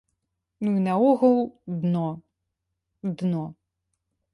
Ну і наогул, дно, дно.